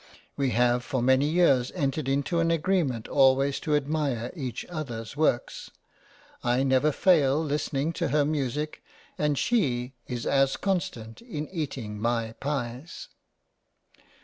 We have for many years entered into an agreement always to admire each other's works ; I never fail listening to her Music, and she is as constant in eating my pies.